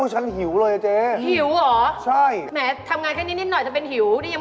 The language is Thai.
ไกย่างถูกเผา